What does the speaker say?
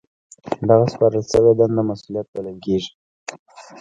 دغه سپارل شوې دنده مسؤلیت بلل کیږي.